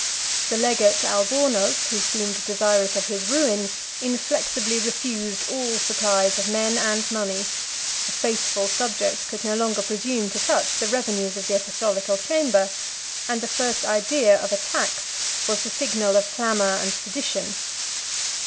The legate Albornoz, who seemed desirous of his ruin, inflexibly refused all supplies of men and money; a faithful subject could no longer presume to touch the revenues of the apostolical chamber; and the first idea of a tax was the signal of clamor and sedition.